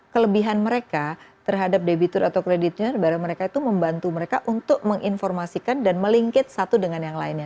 kelebihan mereka terhadap debitur atau kreditnya bahwa mereka itu membantu mereka untuk menginformasikan dan melingkit satu dengan yang lainnya